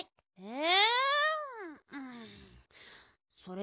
え？